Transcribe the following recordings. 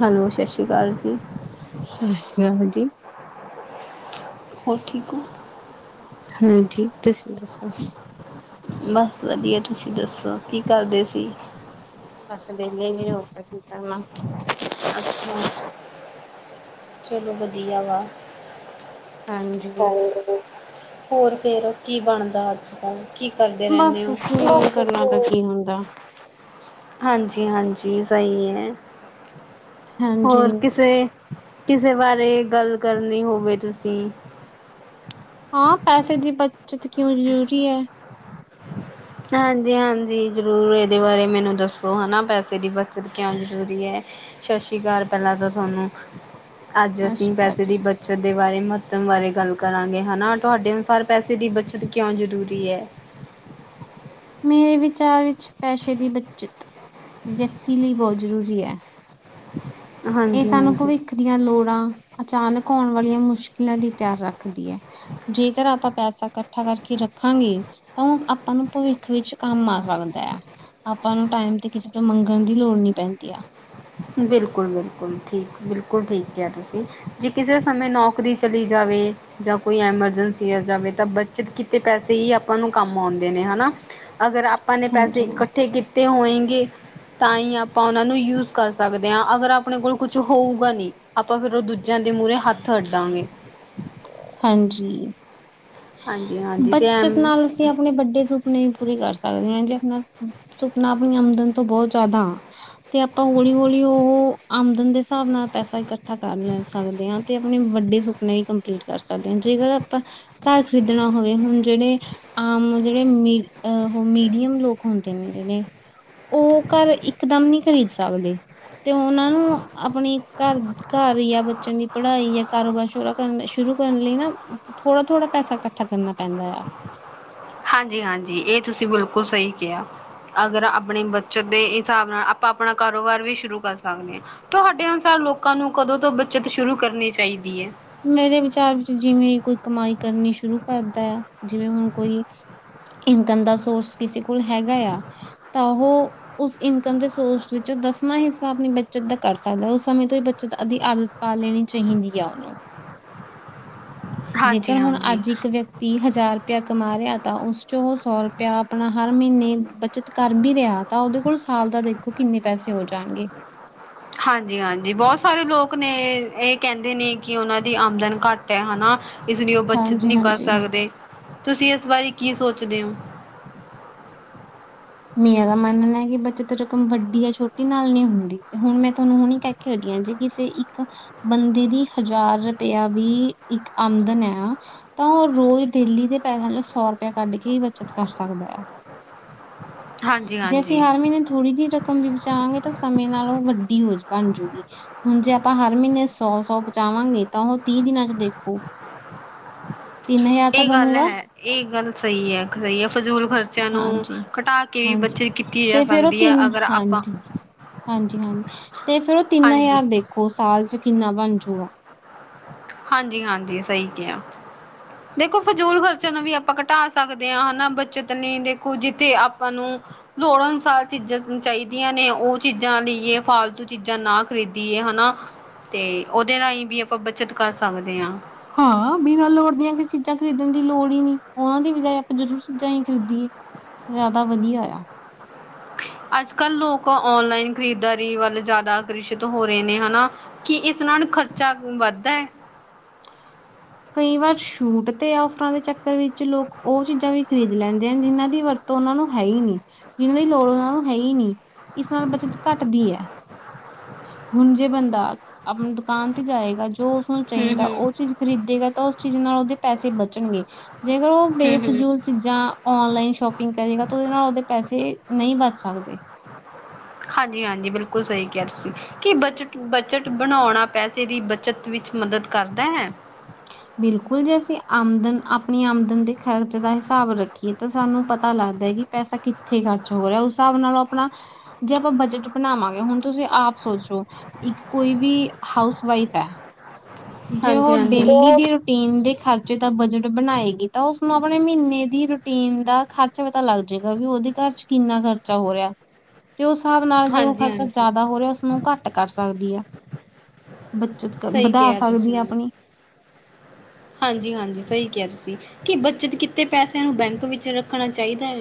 Hello, ਸਤਿ ਸ਼੍ਰੀ ਅਕਾਲ ਜੀ। ਸਤਿ ਸ਼੍ਰੀ ਅਕਾਲ ਜੀ। ਹੋਰ ਠੀਕ ਆ ਹਾਂਜੀ ਦੱਸੋ ਦੱਸੋ ਬਸ ਵਧੀਆ ਤੁਸੀਂ ਦੱਸੋ ਕੀ ਕਰਦੇ ਸੀ ਬਸ ਵਹਆ ਜੀ ਹੋਰ ਤਾਂ ਕੀ ਕਰਨਾ ਅੱਛਾ ਚਲੋ ਵਧੀਆ ਵਾ ਹਾਂਜੀ ਹੋਰ? ਹੋਰ ਫੇਰ ਕੀ ਬਣਦਾ ਅੱਜ ਕੱਲ? ਕੀ ਕਰਦੇ ਬਸ ਰਹਿੰਦੇ ਹੋ? ਕੁਛ ਨੀ ਕਰਨਾ ਤਾਂ ਕੀ ਹੁੰਦਾ ਹਾਂਜੀ ਹਾਂਜੀ ਸਹੀ ਹੈ। ਹਾਂਜੀ ਹੋਰ ਕਿਸੇ ਕਿਸੇ ਬਾਰੇ ਗੱਲ ਕਰਨੀ ਹੋਵੇ ਤੁਸੀਂ? ਹਾਂ ਪੈਸੇ ਦੀ ਬੱਚਤ ਕਿਉਂ ਜ਼ਰੂਰੀ ਹੈ? ਹਾਂਜੀ, ਹਾਂਜੀ ਜ਼ਰੂਰ ਇਹਦੇ ਬਾਰੇ ਮੈਨੂੰ ਦੱਸੋ ਹੈ ਨਾ ਪੈਸੇ ਦੀ ਬੱਚਤ ਕਿਉਂ ਜ਼ਰੂਰੀ ਹੈ। ਸਤਿ ਸ੍ਰੀ ਅਕਾਲ ਪਹਿਲਾਂ ਤਾਂ ਤੁਹਾਨੂੰ ਅੱਜ ਸਤਿ ਅਸੀਂ ਸ਼੍ਰੀ ਅਕਾਲ ਪੈਸੇ ਜੀ ਦੀ ਬ ਬੱਚਤ ਦੇ ਬਾਰੇ ਮਹੱਤਵ ਬਾਰੇ ਗੱਲ ਕਰਾਂਗੇ ਹੈ ਨਾ ਤੁਹਾਡੇ ਅਨੁਸਾਰ ਪੈਸੇ ਦੀ ਬੱਚਤ ਕਿਉਂ ਜ਼ਰੂਰੀ ਹੈ। ਮੇਰੇ ਵਿਚਾਰ ਵਿੱਚ ਪੈਸੇ ਦੀ ਬੱਚਤ ਵਿਅਕਤੀ ਲਈ ਬਹੁਤ ਜ਼ਰੂਰੀ ਹੈ। ਇਹ ਸਾਨੂੰ ਹਾਂਜੀ-ਹਾਂਜੀ। ਭਵਿੱਖ ਦੀਆਂ ਲੋੜਾਂ ਅਚਾਨਕ ਆਉਣ ਵਾਲੀਆਂ ਮੁਸ਼ਕਿਲਾਂ ਲਈ ਤਿਆਰ ਰੱਖਦੀ ਹੈ। ਜੇਕਰ ਆਪਾਂ ਪੈਸਾ ਇਕੱਠਾ ਕਰਕੇ ਰੱਖਾਂਗੇ ਤਾਂ ਉਹ ਆਪਾਂ ਨੂੰ ਭਵਿੱਖ ਵਿੱਚ ਕੰਮ ਆ ਸਕਦਾ ਹੈ। ਆਪਾਂ ਨੂੰ ਟਾਈਮ ਤੇ ਕਿਸੇ ਤੋਂ ਮੰਗਣ ਦੀ ਲੋੜ ਨੀ ਪੈਂਦੀ ਆ ਬਿਲਕੁਲ ਬਿਲਕੁਲ ਠੀਕ ਬਿਲਕੁਲ ਠੀਕ ਕਿਹਾ ਹੈ ਤੁਸੀਂ ਜੇ ਕਿਸੇ ਸਮੇਂ ਨੌਕਰੀ ਚਲੀ ਜਾਵੇ ਜਾਂ ਕੋਈ ਐਮਰਜੈਂਸੀ ਆ ਜਾਵੇ ਤਾਂ ਬੱਚਤ ਕੀਤੇ ਪੈਸੇ ਹੀ ਆਪਾਂ ਨੂੰ ਕੰਮ ਆਂਦੇ ਨੇ ਹਨਾ ਅਗਰ ਆਪਾਂ ਨੇ ਪੈਸੇ ਹਾਂਜੀ, ਇਕੱਠੇ ਕੀਤੇ ਅਤੇ ਹੋਏਗੇ ਤਾਂ ਹੀ ਆਪਾਂ ਉਹਨਾਂ ਨੂੰ ਯੂਜ਼ ਸਕਦੇ ਹਾਂ ਅਗਰ ਆਪਣੇ ਕੋਲ ਕੁਛ ਹੋਊਗਾ ਨੀ ਆਪਾਂ ਫੇਿਰ ਉਹ ਦੂਜਿਆਂ ਦੇ ਮੂਹਰੇ ਹੱਥ ਹੱਡਾਂਗੇ ਹਾਂਜੀ ਹਾਂਜੀ-ਹਾਂਜੀ ਤੇ ਬੱਚਤ ਐਮ ਨਾਲ ਅਸੀਂ ਆਪਣੇ ਵੱਡੇ ਸੂਪ ਨਹੀਂ ਪੂਰੀ ਕਰ ਸਕਦੇ ਹ ਜੇ ਆਪਣਾ ਸੁਪਨਾ ਆਪਣੀ ਆਮਦਨ ਤੋਂ ਬਹੁਤ ਜ਼ਿਆਦਾ ਤੇ ਆਪਾਂ ਹੌਲੀ ਹੌਲੀ ਉਹ ਆਮਦਨ ਦੇ ਹਿਸਾਬ ਨਾਲ ਪੈਸਾ ਇਕੱਠਾ ਕਰ ਲੈ ਸਕਦੇ ਹਾਂ ਤੇ ਆਪਣੇ ਵੱਡੇ ਸੁਪਨੇ ਹੀ ਕੰਪਲੀਟ ਕਰ ਸਕਦੇ ਹਾਂ ਜੇਕਰ ਆਪਾਂ ਘਰ ਖਰੀਦਣਾ ਹੋਵੇ ਹੁਣ ਜਿਹੜੇ ਆਮ ਜਿਹੜੇ ਮਹ ਉਹ ਮੀਡੀਅਮ ਲੋਕ ਹੁੰਦੇ ਨੇ ਜਿਹੜੇ ਉਹ ਘਰ ਇਕਦਮ ਨਹੀਂ ਖ਼ਰੀਦ ਸਕਦੇ ਤੇ ਉਹਨਾਂ ਨੂੰ ਆਪਣੀ ਘਰ ਘਰ ਜਾਂ ਬੱਚਿਆਂ ਦੀ ਪੜ੍ਹਾਈ ਜਾਂ ਕਾਰੋਬਾਰ ਸ਼ੋਰਾ ਕਰਨ ਸ਼ੁਰੂ ਕਰਨ ਲਈ ਨਾ ਥੋੜਾ ਥੋੜਾ ਪੈਸਾ ਇਕੱਠਾ ਕਰਨਾ ਪੈਂਦਾ ਆ ਹਾਂਜੀ ਹਾਂਜੀ ਇਹ ਤੁਸੀਂ ਬਿਲਕੁਲ ਸਹੀ ਕਿਹਾ ਅਗਰ ਆਪਣੀ ਬੱਚਤ ਦੇ ਹਿਸਾਬ ਨਾਲ ਆਪਾਂ ਆਪਣਾ ਕਾਰੋਬਾਰ ਵੀ ਸ਼ੁਰੂ ਕਰ ਸਕਦੇ ਹਾਂ ਤੁਹਾਡੇ ਅਨੁਸਾਰ ਲੋਕਾਂ ਨੂੰ ਕਦੋਂ ਤੋਂ ਬੱਚਤ ਸ਼ੁਰੂ ਕਰਨੀ ਚਾਹੀਦੀ ਹੈ ਮੇਰੇ ਵਿਚਾਰ ਵਿੱਚ ਜਿਵੇਂ ਕੋਈ ਕਮਾਈ ਕਰਨੀ ਸ਼ੁਰੂ ਕਰਦਾ ਆ ਜਿਵੇਂ ਹੁਣ ਕੋਈ ਇਨਕਮ ਦਾ ਸੋਰਸ ਕਿਸੇ ਕੋਲ ਹੈਗਾ ਆ ਤਾਂ ਉਹ ਉਸ ਇਨਕਮ ਦੇ ਸੋਰਸ ਵਿੱਚ ਦਸਵਾਂ ਹਿੱਸਾ ਆਪਣੀ ਬੱਚਤ ਦਾ ਕਰ ਸਕਦਾ ਉਸ ਸਮੇਂ ਤੋਂ ਹੀ ਬੱਚਤ ਅਧ ਆਦਤ ਪਾ ਲੈਣੀ ਚਾਹੀਦੀ ਆ ਉਹਨੂੰ ਜੇਕਰ ਹਾਂਜੀ ਹੁਣ ਹਾਂਜੀ ਅੱਜ ਇੱਕ ਵਿਅਕਤੀ ਤੀਹ ਹਜ਼ਾਰ ਰੁਪਇਆ ਕਮਾ ਰਿਹਾ ਤਾਂ ਉਸ ਚੋਂ ਉਹ ਸੌ ਰੁਪਇਆ ਆਪਣਾ ਹਰ ਮਹੀਨੇ ਬਚਤ ਕਰ ਵੀ ਰਿਹਾ ਤਾਂ ਉਹਦੇ ਕੋਲ ਸਾਲ ਦਾ ਦੇਖੋ ਕਿੰਨੇ ਪੈਸੇ ਹੋ ਜਾਣਗੇ ਹਾਂਜੀ ਹਾਂਜੀ ਬਹੁਤ ਸਾਰੇ ਲੋਕ ਨੇ ਇਹ ਕਹਿੰਦੇ ਨੇ ਕਿ ਉਹਨਾਂ ਦੀ ਆਮਦਨ ਘੱਟ ਹੈ ਹਨਾ ਇਸ ਲਈ ਉਹ ਬੱਚਤ ਹਾਂਜੀ ਨਹੀਂ ਕਰ ਹਾਂਜੀ ਸਕਦੇ ਤੁਸੀਂ ਇਸ ਬਾਰੇ ਕੀ ਸੋਚਦੇ ਹੋ ਮੇ ਦਾ ਮੰਨਣਾ ਕਿ ਬੱਚਤ ਰਕਮ ਵੱਡੀ ਜਾਂ ਛੋਟੀ ਨਾਲ ਨਹੀਂੀ ਹੁੰਦੀ ਹੁਣ ਮੈਂ ਤੁਹਾਨੂੰ ਹੁਣੀ ਕਹਿ ਖੇਡੀਆਂ ਜੇ ਕਿਸੇ ਇੱਕ ਬੰਦੇ ਦੀ ਹਜ਼ਾਰ ਰੁਪਇਆ ਵੀ ਇੱਕ ਆਮਦਨ ਹੈ ਤਾਂ ਉਹ ਰੋਜ਼ ਡੇਲੀ ਦੇ ਪੈਸਿਆਂ ਚੋਂ ਸੌ ਰੁਪਇਆ ਕੱਢ ਕੇ ਹੀ ਬੱਚਤ ਕਰ ਸਕਦਾ ਆ ਹਾਂਜੀ ਜੇ ਅਸੀਂ ਹਾਂਜੀ ਹਰ ਮਹੀਨੇ ਥੋੜ੍ਹੀ ਜਿਹੀ ਰਕਮ ਵੀ ਬਚਾਵਾਂਗੇ ਤਾਂ ਸਮੇਂ ਨਾਲ ਉਹ ਵੱਡੀ ਹੋ ਬਣ ਜਾੂਗੀ ਹੁਣ ਜੇ ਆਪਾਂ ਹਰ ਮਹੀਨੇ ਸੌ-ਸੌ ਬਚਾਵਾਂਗੇ ਤਾਂ ਉਹ ਤੀਹ ਦਿਨਾਂ ਚ ਦੇਖੋ। [inaudible] ਤਿੰਨ ਹਜ਼ਾਰ ਤਾਂ ਇਹ ਗੱਲ ਬਣੂਗਾ ਹੈ ਇਹ ਗੱਲ ਸਹੀ ਹੈ ਸਹੀ ਹੈ ਫਜ਼ੂਲ ਖਰਚਿਆਂ ਨੂੰ ਹਾਂਜੀ ਘਟਾ ਕੇ ਵੀ ਹਾਂਜੀ ਬੱਚਤ ਕੀਤੀ ਜਾ ਤੇ ਫੇਰ ਉਹ ਸਕਦੀ ਹੈ ਤਿੰਨ ਅਗਰ ਆਪਾਂ ਹਾਂਜੀ। ਹਾਂਜੀ-ਹਾਂਜੀ ਤੇ ਫੇਰ ਉਹ ਤਿੰਨ ਹਾਂਜੀ ਹਜ਼ਾਰ ਦੇਖੋ ਸਾਲ ਚ ਕਿੰਨਾ ਬਣ ਜੂਗਾ। ਹਾਂਜੀ-ਹਾਂਜੀ ਸਹੀ ਕਿਹਾ ਦੇਖੋ ਫਜ਼ੂਲ ਖ਼ਰਚੇ ਨੂੰ ਵੀ ਆਪਾਂ ਘਟਾ ਸਕਦੇ ਹਾਂ ਹਨਾ ਬੱਚਤ ਲਈ ਦੇਖੋ ਜਿੱਥੇ ਆਪਾਂ ਨੂੰ ਲੋੜ ਅਨੁਸਾਰ ਚੀਜ਼ਾਂ ਚਾਹੀਦੀਆਂ ਨੇ ਉਹ ਚੀਜ਼ਾਂ ਲਈਏ ਫਾਲਤੂ ਚੀਜ਼ਾਂ ਨਾ ਖਰੀਦੀਏ ਹਨਾ। ਤੇ ਉਹਦੇ ਰਾਹੀਂ ਵੀ ਆਪਾਂ ਬੱਚਤ ਕਰ ਸਕਦੇ ਹਾਂ। ਹਾਂ ਬਿਨਾਂ ਲੋੜ ਦੀਆਂ ਚੀਜ਼ਾਂ ਖਰੀਦਣ ਦੀ ਲੋੜ ਹੀ ਨੀ ਉਹਨਾਂ ਦੀ ਬਜਾਏ ਆਪਾਂ [unintelligible] ਚੀਜ਼ਾਂ ਹੀ ਖਰੀਦੀਏ। ਜ਼ਿਆਦਾ ਵਧੀਆ ਆ। ਅੱਜ-ਕੱਲ੍ਹ ਲੋਕ ਔਨਲਾਈਨ ਖਰੀਦਦਾਰੀ ਵੱਲ ਜ਼ਿਆਦਾ ਆਕਰਸ਼ਿਤ ਹੋ ਰਹੇ ਨੇ ਹਨਾ। ਕਿ, ਇਸ ਨਾਲ ਖਰਚਾ ਵੱਧਦਾ ਹੈ? ਕਈ ਵਾਰ ਛੂਟ ਤੇ, ਔਫਰਾਂ ਦੇ ਚੱਕਰ ਵਿੱਚ ਲੋਕ ਉਹ ਚੀਜ਼ਾਂ ਵੀ ਖਰੀਦ ਲੈਂਦੇ ਹਨ, ਜਿਨਾਂ ਦੀ ਵਰਤ ਉਹਨਾਂ ਨੂੰ ਹੈ ਹੀ ਨਹੀਂ, ਜਿਨਾਂ ਦੀ ਲੋੜ ਉਹਨਾਂ ਨੂੰ ਹੈ ਹੀ ਨਹੀਂ। ਇਸ ਨਾਲ ਬੱਚਤ ਘੱਟਦੀ ਹੈ। ਹੁਣ ਜੇ, ਬੰਦਾ ਆਪਣੀ ਦੁਕਾਨ ਤੇ ਜਾਏਗਾ, ਜੋ ਉਸਨੂੰ ਹਮ ਚਾਹੀਦਾ ਹਮ ਉਹ ਚੀਜ਼ ਖਰੀਦੇਗਾ ਤਾਂ, ਉਸ ਚੀਜ਼ ਨਾਲ ਉਹਦੇ ਪੈਸੇ ਬਚਣਗੇ ਜੇਕਰ ਉਹ, ਹਮ ਹਮ ਬੇਫਜ਼ੂਲ ਚੀਜ਼ਾਂ ਔਨਲਾਈਨ ਸ਼ੋਪਿੰਗ ਕਰੇਗਾ ਤਾਂ, ਉਹਦੇ ਨਾਲ ਉਹਦੇ ਪੈਸੇ ਨਹੀਂ ਬਚ ਸਕਦੇ। ਹਾਂਜੀ- ਹਾਂਜੀ, ਬਿਲਕੁਲ ਸਹੀ ਕਿਹਾ ਤੁਸੀਂ ਕਿ ਬੱਚਟ, ਬੱਚਟ ਬਣਾਉਣਾ ਪੈਸੇ ਦੀ, ਬਚਤ ਵਿੱਚ ਮਦਦ ਕਰਦਾ ਹੈ। ਬਿਲਕੁਲ ਜੇ, ਅਸੀਂ ਆਮਦਨ ਆਪਣੀ ਆਮਦਨ ਦੇ ਖ਼ਰਚ ਦਾ ਹਿਸਾਬ ਰੱਖੀਏ ਤਾਂ ਸਾਨੂੰ ਪਤਾ ਲੱਗਦਾ ਕਿ ਪੈਸਾ ਕਿੱਥੇ ਖਰਚ ਹੋ ਰਿਹਾ, ਉਸ ਹਿਸਾਬ ਨਾਲੋਂ ਆਪਣਾ ਜੇ ਆਪਾਂ, ਬਜਟ ਬਣਾਵਾਂਗੇ ਹੁਣ ਤੁਸੀਂ ਆਪ ਸੋਚਲੋ ਇੱਕ ਕੋਈ ਵੀ ਹਾਊਸ ਵਾਈਫ ਹੈ, ਜੇ ਹਾਂਜੀ ਉਹ, ਹਾਂਜੀ ਡੇਲੀ ਦੀ ਰ ਰੂਟੀਨ ਦੇ ਖਰਚੇ ਦਾ ਬਜਟ ਬਣਾਏਗੀ ਤਾਂ, ਉਸਨੂੰ ਆਪਣੇ ਮਹੀਨੇ ਦੀ ਰੂਟੀਨ ਦਾ ਖਰਚ ਪਤਾ ਲੱਗ ਜਾਏਗਾ ਵੀ ਉਹਦੇ ਘਰ' ਚ ਕਿੰਨਾ ਖਰਚਾ ਹੋ ਰਿਹਾ। ਤੇ, ਉਸ ਹਿਸਾਬ ਨਾਲ ਜੇ, ਉਹ ਹਾਂਜੀ ਖਰਚਾ ਹਾਂਜੀ ਜ਼ਿਆਦਾ ਹੋ ਰਿਹਾ ਉਸਨੂੰ ਘੱਟ ਕਰ ਸਕਦੀ ਹੈ। ਬੱਚਤ ਕ ਸਹੀ ਬਧਾ ਕਿਹਾ ਹਾਂਜੀ-ਹਾਂਜੀ, ਸਹੀ ਕਿਹਾ ਤੁਸੀਂ ਕਿ ਬੱਚਤ ਕਿੱਤੇ ਪੈਸਿਆਂ ਨੂੰ, ਬੈਂਕ ਵਿੱਚ ਰੱਖਣਾ ਚਾਹੀਦਾ ਹੈ?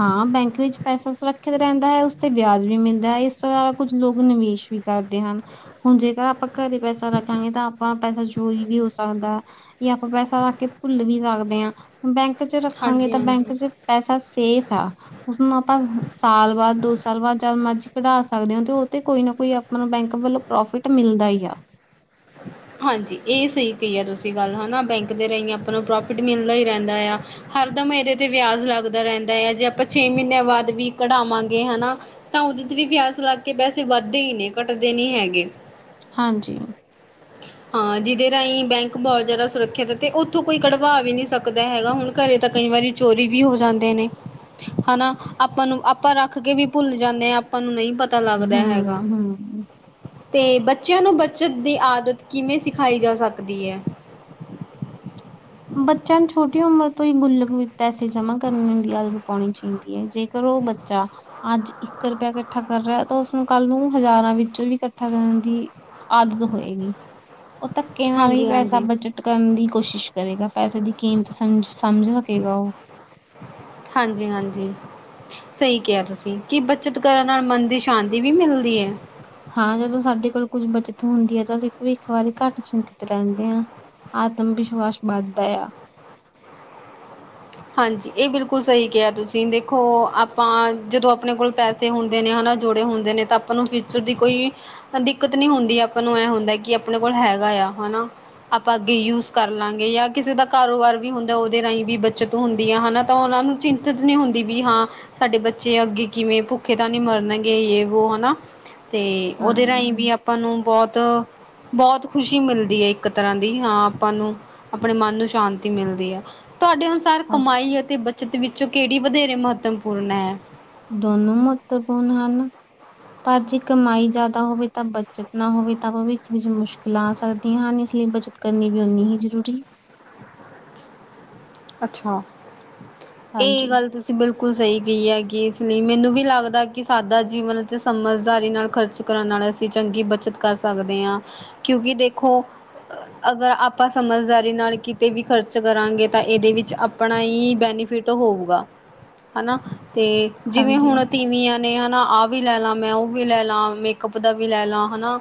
ਹਾਂ, ਬੈਂਕ ਵਿੱਚ ਪੈਸਾ ਸੁਰੱਖਿਅਤ ਰਹਿੰਦਾ ਹੈ, ਉਸਤੇ ਵਿਆਜ ਵੀ ਮਿਲਦਾ ਹੈ ਇਸ ਤੋਂ ਇਲਾਵਾ ਕੁੱਝ ਲੋਕ ਨਿਵੇਸ਼ ਵੀ ਕਰਦੇ ਹਨ ਹੁਣ, ਜੇਕਰ ਆਪਾਂ ਘਰੇ ਪੈਸਾ ਰੱਖਾਂਗੇ ਤਾਂ, ਆਪਾਂ ਪੈਸਾ ਚੋਰੀ ਵੀ ਹੋ ਸਕਦਾ। ਯਾ ਆਪਾਂ ਪੈਸਾ ਰੱਖਕੇ ਭੁੱਲ ਵੀ ਸਕਦੇ ਹਾਂ, ਹੁਣ ਬੈਂਕ ਕ'ਚ ਰੱਖਾਂਗੇ ਹਾਂਜੀ ਤਾਂ, ਹਾਂਜੀ ਬੈਂਕ 'ਚ ਪੈਸਾ ਸੇਫ ਆ। ਉਸਨੂੰ ਆਪਾਂ ਸਾਲ ਬਾਅਦ, ਦੋ ਸਾਲ ਬਾਅਦ ਜਦ ਮਰਜੀ ਕਢਾ ਸਕਦੇ ਹੋ, ਤੇ ਉਹ ਤੇ ਕੋਈ ਨਾ, ਕੋਈ ਆਪਣਾ ਬੈਂਕ ਵੱਲੋਂ ਪ੍ਰੋਫਿਟ ਮਿਲਦਾ ਹੀ ਆ। [inaudible] ਹਾਂਜੀ, ਇਹ ਸਹੀ ਕਹੀ ਹੈ ਤੁਸੀਂ ਗੱਲ ਹਨਾ, ਬੈਂਕ ਦੇ ਰਾਹੀਂ ਆਪਾਂ ਨੂੰ ਪ੍ਰੋਫਿਟ ਮਿਲਦਾ ਹੀ ਰਹਿੰਦਾ ਆ। ਹਰਦਮ ਇਹਦੇ ਤੇ ਵਿਆਜ ਲੱਗਦਾ ਰਹਿੰਦਾ ਹੈ, ਜੇ ਆਪਾਂ ਛੇ ਮਹੀਨਿਆਂ ਬਾਅਦ ਵੀ ਕਢਾਵਾਂਗੇ ਹਨਾ ਤਾਂ ਉਹਦੇ ਤੇ ਵੀ ਵਿਆਜ ਲੱਗ ਕੇ ਪੈਸੇ ਵੱਧਦੇ ਹੀ ਨੇ, ਘੱਟਦੇ ਨੀ ਹੈਗੇ। ਹਾਂਜੀ। ਹਾਂ, ਜਿਹਦੇ ਰਾਹੀਂ ਬੈਂਕ ਬਹੁਤ ਜ਼ਿਆਦਾ ਸੁਰੱਖਿਅਤ ਹੈ, ਤੇ ਉੱਥੋਂ ਕੋਈ ਕਢਵਾ ਵੀ ਨਹੀਂ ਸਕਦਾ ਹੈਗਾ ਹੁਣ ਘਰੇ ਤਾਂ ਕਈ ਵਾਰੀ ਚੋਰੀ ਵੀ ਹੋ ਜਾਂਦੇ ਨੇ। ਹਨਾ, ਆਪਾਂ ਨੂੰ, ਆਪਾਂ ਰੱਖ ਕੇ ਵੀ ਭੁੱਲ ਜਾਂਦੇ ਆ, ਆਪਾਂ ਨੂੰ ਨਹੀਂ ਪਤਾ ਪਤਾ ਹਮ ਲੱਗਦਾ ਹੈਗਾ। ਹਮ ਤੇ, ਬੱਚਿਆਂ ਨੂੰ ਬੱਚਤ ਦੀ ਆਦਤ ਕਿਵੇਂ ਸਿਖਾਈ ਜਾ ਸਕਦੀ ਹੈ? ਬੱਚਿਆਂ ਨੂੰ ਛੋਟੀ ਉਮਰ ਤੋਂ ਹੀ ਗੁੱਲਕ ਵਿੱਚ ਪੈਸੇ ਜਮਾ ਕਰਨ ਦੀ ਆਦਤ ਪਾਉਣੀ ਚਾਹੀਦੀ ਹੈ, ਜੇ ਕਰੋ ਬੱਚਾ ਅੱਜ ਇੱਕ ਰੁਪਇਆ ਇਕੱਠਾ ਕਰ ਰਿਹਾ, ਤਾਂ ਉਸਨੂੰ ਕੱਲ ਨੂੰ ਹਜ਼ਾਰਾਂ ਵਿੱਚੋਂ ਵੀ ਇਕੱਠਾ ਕਰਨ ਦੀ ਆਦਤ ਹੋਏਗੀ। ਉਹ, ਧੱਕੇ ਨਾਲ ਹੀ ਹਾਂਜੀ ਪੈਸਾ ਹਾਂਜੀ। ਬਜਟ ਕਰਨ ਦੀ ਕੋਸ਼ਿਸ਼ ਕਰੇਗਾ ਪੈਸੇ ਦੀ ਕੀਮਤ ਸਮਝ, ਸਮਝ ਸਕੇਗਾ ਉਹ। ਹਾਂਜੀ-ਹਾਂਜੀ। ਸਹੀ ਕਿਹਾ ਤੁਸੀਂ ਕਿ, ਬੱਚਤ ਕਰਨ ਨਾਲ ਮਨ ਦੀ ਸ਼ਾਂਤੀ ਵੀ ਮਿਲਦੀ ਹੈ। ਹਾਂ, ਜਦੋਂ ਸਾਡੇ ਕੋਲ ਕੁੱਝ ਬੱਚਤ ਹੁੰਦੀ ਹੈ ਤਾਂ, ਅਸੀਂ ਭਵਿੱਖ ਵਾਰੀ ਘੱਟ ਚਿੰਤਤ ਰਹਿੰਦੇ ਹਾਂ। ਆਤਮਵਿਸ਼ਵਾਸ ਬੰਦਾ ਆ। ਹਾਂਜੀ, ਇਹ ਬਿਲਕੁਲ ਸਹੀ ਕਿਹਾ ਤੁਸੀਂ ਦੇਖੋ ਆਪਾਂ ਜਦੋਂ ਆਪਣੇ ਕੋਲ ਪੈਸੇ ਤੇ ਹੁੰਦੇ ਨੇ, ਹਨਾ ਜੋੜੇ ਹੁੰਦੇ ਨੇ ਤਾਂ, ਆਪਾਂ ਨੂੰ ਫਿਊਚਰ ਦੀ ਕੋਈ ਦਿੱਕਤ ਨੀ ਹੁੰਦੀ, ਆਪਾਂ ਨੂੰ ਐਂ ਹੁੰਦਾ ਕਿ ਆਪਣੇ ਕੋਲ ਹੈਗਾ ਯਾ, ਹਨਾ। ਆਪਾ ਅੱਗੇ ਯੂਜ ਕਰ ਲਾਂਗੇ, ਯਾ ਕਿਸੇ ਦਾ ਕਾਰੋਬਾਰ ਵੀ ਹੁੰਦਾ ਉਹਦੇ ਰਾਹੀਂ ਵੀ ਤ ਹੁੰਦੀ ਆ ਹਨਾ, ਤਾਂ ਉਹਨਾਂ ਨੂੰ, ਚਿੰਤਤ ਨਹੀਂ ਹੁੰਦੀ ਵੀ ਹਾਂ ਸਾਡੇ ਬੱਚੇ ਅੱਗੇ ਕਿਵੇਂ, ਭੁੱਖੇ ਤਾਂ ਨਹੀਂ ਮਰਨਗੇ, ਯ ਵੋ ਹਨਾ ਅਤੇ, ਉਹਦੇ ਰਾਹੀਂ ਵੀ ਹਾਂ ਆਪਾਂ ਨੂੰ ਬਹੁਤ- ਬਹੁਤ ਖੁਸ਼ੀ ਮਿਲਦੀ ਏ। ਇੱਕ ਤਰ੍ਹਾਂ ਦੀ, ਹਾਂ, ਆਪਾਂ ਨੂੰ, ਆਪਣੇ ਮਨ ਨੂੰ ਸ਼ਾਂਤੀ ਮਿਲਦੀ ਹੈ। ਤੁਹਾਡੇ ਅਨੁਸਾਰ ਕਮਾਈ ਅਤੇ ਬੱਚਤ ਵਿੱਚੋ ਕਿਹੜੀ ਵਧੇਰੇ ਮਹੱਤਵਪੂਰਨ ਹੈ? ਦੋਨੋ ਮਹੱਤਵਪੂਰਨ ਹਨ। ਪਰ ਜੇ ਕਮਾਈ ਜ਼ਿਆਦਾ ਹੋਵੇ ਤਾਂ ਬੱਚਤ ਨਾ ਹੋਵੇ ਤਾਂ ਭਵਿੱਖ ਵਿੱਚ ਮੁਸ਼ਕਿਲਾਂ ਆ ਸਕਦੀਆਂ ਹਨ ਇਸ ਲਈ ਬੱਚਤ ਕਰਨੀ ਵੀ ਓਨੀ ਹੀ ਜ਼ਰੂਰੀ। ਅੱਛਾ, ਇਹ ਹਾਂਜੀ ਗੱਲ ਤੁਸੀਂ ਬਿਲਕੁਲ ਸਹੀ ਗਈ ਹੈਗੀ ਇਸ ਲਈ ਮੈਨੂੰ ਵੀ ਲੱਗਦਾ ਕਿ ਸਾਦਾ ਜੀਵਨ ਅਤੇ ਸਮਝਦਾਰੀ ਨਾਲ ਖ਼ਰਚ ਕਰਨ ਨਾਲ ਅਸੀਂ ਚੰਗੀ ਬੱਚਤ ਕਰ ਸਕਦੇ ਹਾਂ ਕਿਉਂਕਿ ਦੇਖੋ ਅਗਰ ਆਪਾਂ ਸਮਝਦਾਰੀ ਨਾਲ ਕਿਤੇ ਵੀ ਖਰਚ ਕਰਾਂਗੇ। ਤਾਂ ਇਹਦੇ ਵਿੱਚ ਆਪਣਾ ਹੀ ਬੈਨੀਫਿਟ ਹੋਊਗਾ ਹੈਨਾ ਤੇ ਜਿਵੇਂ ਹਾਂਜੀ ਹੁਣ ਤੀਵੀਆ਼਼ ਨੇ ਹਨਾ ਆਹ ਵੀ ਲੈ ਲਾ, ਮੈਂ ਉਹ ਵੀ ਲੈ ਲਾ, ਮੇਕਅਪ ਦਾ ਵੀ ਲੈ ਲਾ ਹਨਾ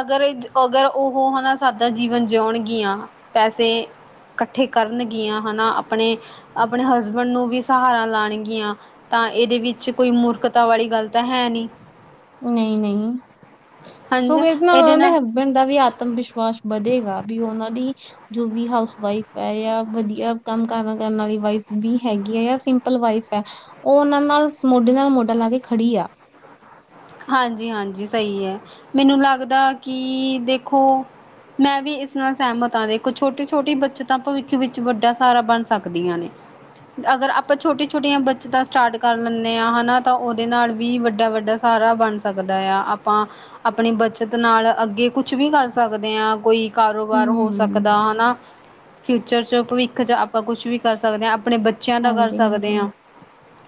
ਅਗਰ, ਅਗਰ ਉਹ ਹਨਾ ਸਾਦਾ ਜੀਵਨ ਜਿਉਣਗੀਆਂ ਪੈਸੇ ਇਕੱਠੇ ਕਰਨਗੀਆਂ ਹਨਾ ਆਪਣੇ, ਆਪਣੇ ਹਸਬੈਂਡ ਨੂੰ ਵੀ ਸਹਾਰਾ ਲਾਣਗੀਆਂ। ਤਾਂ ਇਹਦੇ ਵਿੱਚ ਕੋਈ ਮੂਰਖਤਾ ਵਾਲੀ ਗੱਲ ਤਾਂ ਹੈ ਨਹੀਂ। ਨਹੀਂ, ਨਹੀਂ ਹਾਂਜੀ ਸਗੋ ਇਸ ਨਾਲ ਇਹਦੇ ਉਹ ਦੇ ਹ ਬੰਦਾ ਵੀ ਆਤਮ ਵਿਸ਼ਵਾਸ ਵਧੇਗਾ ਵੀ ਉਹਨਾਂ ਦੀ ਜੋ ਵੀ ਹਾਊਸ ਵਾਈਫ ਹੈ ਜਾਂ ਵਧੀਆ ਕੰਮ ਕਰਨ ਵਾਲੀ ਵਾਈਫ ਵੀ ਹੈਗੀ ਹੈ ਸਿੰ ਲ ਵਾਈਫ ਹੈ ਉਹ ਉਹਨਾਂ ਨਾਲ ਮੋਢੇ ਨਾਲ ਮੋਢਾ ਲਾ ਕੇ ਖੜੀ ਆ। ਹਾਂਜੀ, ਹਾਂਜੀ ਸਹੀ ਹੈ ਮੈਨੂੰ ਲੱਗਦਾ ਕਿ ਦੇਖੋ ਮੈਂ ਵੀ ਇਸ ਨਾਲ ਸਹਿਮਤ ਹਾਂ ਦੇ ਇੱਕ ਛੋਟੀ- ਛੋਟੀ ਬੱਚਤ ਤਾਂ ਭਵਿੱਖ ਵਿੱਚ ਵੱਡਾ ਸਹਾਰਾ ਬਣ ਸਕਦੀ ਆ ਨੇ ਅਗਰ ਆਪਾਂ ਛੋਟੀਆਂ-ਛੋਟੀਆਂ ਬੱਚਤਾਂ ਸਟਾਰਟ ਕਰ ਲੈਂਦੇ ਹ ਹਨਾ ਤਾਂ ਉਹਦੇ ਨਾਲ ਵੀ ਵੱਡਾ, ਵੱਡਾ ਸਾਰਾ ਬਣ ਸਕਦਾ ਆ ਆਪਾਂ ਆਪਣੀ ਬੱਚਤ ਨਾਲ ਅੱਗੇ ਕੁਛ ਵੀ ਕਰ ਸਕਦੇ ਹਾਂ ਕੋਈ ਕਾਰੋਬਾਰ ਹੋ ਸਕਦਾ। ਹਮ ਤਾ ਹਨਾ ਫਿਊਚਰ ਚ ਭਵਿੱਖ ਚ ਆਪਾਂ ਕੁਛ ਵੀ ਕਰ ਸਕਦੇ ਹਾਂ ਆਪਣੇ ਬੱਚੇ ਬੱਚਿਆਂ ਦਾ ਕਰ ਹਾਂਜੀ ਸਕਦੇ ਹਾਂਜੀ ਹਾਂ,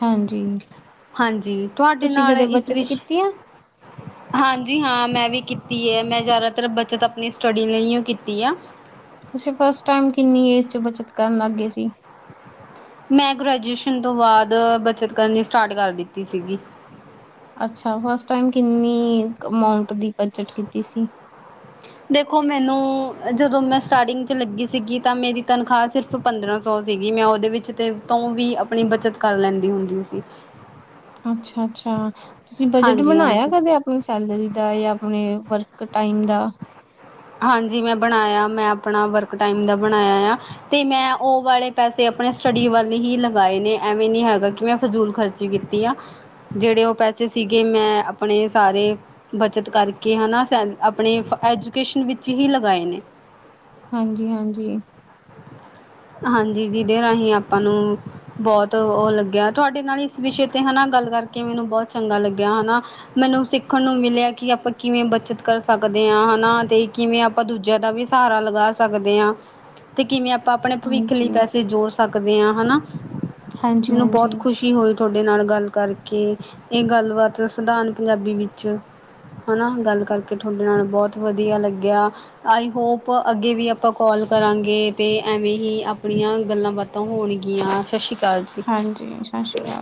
ਹਾਂਜੀ ਹਾਂਜੀ ਤੁਹਾਡੇ ਤੁਸੀਂ ਨਾਲ ਕਦੇ ਇਸ ਬੱਚਤ ਸਵਿਸ਼ ਕੀਤੀ ਆ ਹਾਂਜੀ, ਹਾਂ ਮੈਂ ਵੀ ਕੀਤੀ ਹੈ ਮੈਂ ਜ਼ਿਆਦਾਤਰ ਬੱਚਤ ਆਪਣੀ ਸਟੱਡੀ ਲਈ ਕੀਤੀ ਆ। ਤੁਸੀਂ ਫਸਟ ਟਾਈਮ ਕਿੰਨੀ ਏਜ ਚ ਬੱਚਤ ਕਰਨ ਲੱਗ ਗਏ ਸੀ। ਮੈਂ ਗ੍ਰੈਜੂਏਸ਼ਨ ਤੋਂ ਬਾਅਦ ਬਚਤ ਕਰਨੀ ਸਟਾਰਟ ਕਰ ਦਿੱਤੀ ਸੀਗੀ। ਅੱਛਾ, ਫਸਟ ਟਾਈਮ ਕਿੰਨੀ ਅਮਾਊਂਟ ਦੀ ਬਜਟ ਕੀਤੀ ਸੀ। ਦੇਖੋ ਮੈਨੂੰ ਜਦੋਂ ਮੈਂ ਸਟਾਰਟਿੰਗ ਚ ਲੱਗੀ ਸੀਗੀ ਤਾਂ ਮੇਰੀ ਤਨਖਾਹ ਸਿਰਫ ਪੰਦਰਾਂ ਸੌ ਸੀਗੀ ਮੈਂ ਉਹਦੇ ਵਿੱਚ ਤੇ ਤੋਂ ਵੀ ਆਪਣੀ ਬੱਚਤ ਕਰ ਲੈਂਦੀ ਹੁੰਦੀ ਸੀ। ਅੱਛਾ, ਅੱਛਾ ਤੁਸੀਂ ਬਜਟ ਹਾਂਜੀ, ਬਣਾਇਆ ਹਾਂਜੀ। ਕਦੇ ਆਪ ਆਪਣੀ ਸੈਲਰੀ ਦਾ ਜਾਂ ਆਪਣੇ ਵਰਕ ਟਾਈਮ ਦਾ ਹਾਂਜੀ, ਮੈਂ ਬਣਾਇਆ ਮੈਂ ਆਪਣਾ ਵਰਕ ਟਾਈਮ ਦਾ ਬਣਾਇਆ ਆ। ਤੇ ਮੈਂ ਉਹ ਵਾਲੇ ਪੈਸੇ ਆਪਣੇ ਸਟੱਡੀ ਵੱਲ ਹੀ ਲਗਾਏ ਨੇ ਐਵੇਂ ਨਹੀਂ ਹੈਗਾ ਕਿ ਮੈਂ ਫਜ਼ੂਲ ਖਰਚੀ ਕੀਤੀ ਆ। ਜਿਹੜੇ ਉਹ ਪੈਸੇ ਸੀਗੇ ਮੈਂ ਆਪਣੇ ਸਾਰੇ ਬੱਚਤ ਕਰਕੇ ਹੈਨਾ ਆਪਣੇ ਫ ਐਜੂਕੇਸ਼ਨ ਵਿੱਚ ਹੀ ਲਗਾਏ ਨੇ ਹਾਂਜੀ -ਹਾਂਜੀ। ਹਾਂਜੀ, ਜਿਹਦੇ ਰਾਹੀਂ ਆਪਾਂ ਨੂੰ ਬਹੁਤ ਉਹ ਲੱਗ ਤੁਹਾਡੇ ਨਾਲ ਇਸ ਵਿਸ਼ੇ ਤੇ ਹਨਾ ਗੱਲ ਕਰਕੇ ਮੈਨੂੰ ਬਹੁਤ ਚੰਗਾ ਲੱਗਿਆ ਹਨਾ ਮੈਨੂੰ ਸਿੱਖਣ ਨੂੰ ਮਿਲਿਆ ਕਿ ਆਪਾਂ ਕਿਵੇਂ ਬੱਚਤ ਕਰ ਸਕਦੇ ਹਾਂ ਹਨਾ ਤੇ ਕਿਵੇਂ ਆਪਾਂ ਦੂਜਿਆਂ ਦਾ ਵੀ ਸਹਾਰਾ ਲਗਾ ਸਕਦੇ ਹਾਂ। ਤੇ ਕਿਵੇਂ ਆਪਾਂ ਆਪਣੇ ਭਵਿੱਖ ਲਈ ਹਾਂਜੀ ਪੈਸੇ ਜੋੜ ਸਕਦੇ ਹਾਂ ਹਨਾ, ਹਾਂਜੀ ਮੈਨੂੰ ਬਹੁਤ ਹਾਂਜੀ ਖੁਸ਼ ਖੁਸ਼ੀ ਹੋਈ ਤੁਹਾਡੇ ਨਾਲ ਗੱਲ ਕਰਕੇ ਇਹ ਗੱਲਬਾਤ ਸਧਾਰਨ ਪੰਜਾਬੀ ਵਿੱਚ ਹਨਾ ਗੱਲ ਕਰਕੇ ਤੁਹਾਡੇ ਨਾਲ ਬਹੁਤ ਵਧੀਆ ਲੱਗਿਆ ਆਈ ਹੋਪ ਅੱਗੇ ਵੀ ਆਪਾਂ ਕਾਲ ਕਰਾਂਗੇ। ਇਹ ਤੇ ਐਵੇਂ ਹੀ ਆਪਣੀਆਂ ਗੱਲਾਂ ਬਾਤਾਂ ਹੋਣਗੀਆਂ। ਸਤਿ ਸ਼੍ਰੀ ਅਕਾਲ ਜੀ। ਹਾਂਜੀ ਸਤਿ ਸ਼੍ਰੀ ਅਕਾਲ